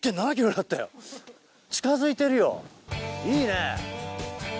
いいね。